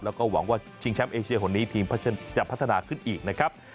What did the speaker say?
แล้วก็หวังว่าชิงแชมป์เอเชียคนนี้ทีมจะพัฒนาขึ้นอีกนะครับ